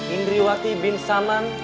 indriwati bin saman